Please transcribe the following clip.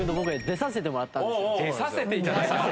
出させてもらったんですよ。